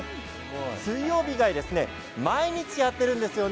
水曜日以外毎日やっているんですよね。